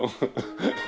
ハハハ。